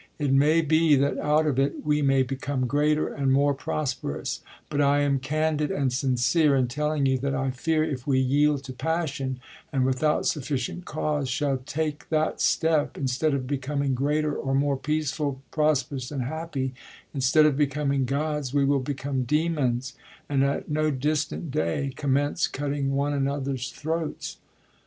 It may be that out of it we may become greater and more pros perous ; but I am candid and sincere in telling you that I fear if we yield to passion, and without sufficient cause shall take that step, instead of becoming greater, or more peaceful, prosperous, and happy — instead of becoming gods we will become demons, and at no distant day com mence cutting one another's throats.